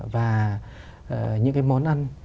và những cái món ăn